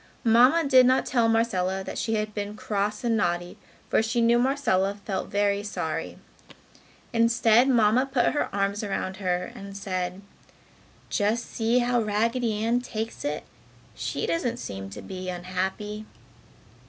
Mamma did not tell Marcella that she had been cross and naughty for she knew Marcella felt very sorry. Instead Mamma put her arms around her and said, "Just see how Raggedy Ann takes it! She doesn't seem to be unhappy!"